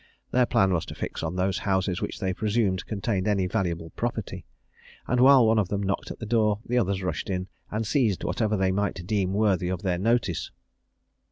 Their plan was to fix on those houses which they presumed contained any valuable property; and while one of them knocked at the door, the others rushed in, and seized whatever they might deem worthy of their notice.